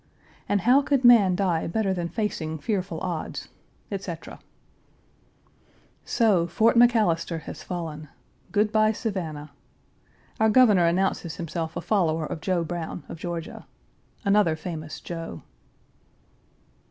"And how could man die better than facing fearful odds," etc. So Fort McAlister has fallen! Good by, Savannah! Our Governor announces himself a follower of Joe Brown, of Georgia. Another famous Joe.